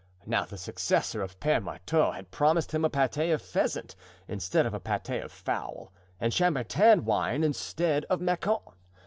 Now the successor of Pere Marteau had promised him a pate of pheasant instead of a pate of fowl, and Chambertin wine instead of Macon.